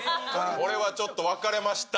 これはちょっと分かれました。